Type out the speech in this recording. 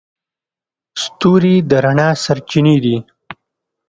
ستوري د رڼا سرچینې دي.